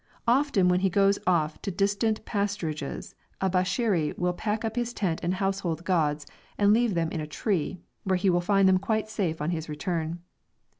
Often when he goes off to distant pasturages a Bishari will pack up his tent and household gods and leave them in a tree, where he will find them quite safe on his return.